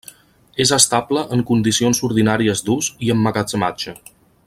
És estable en condicions ordinàries d'ús i emmagatzematge.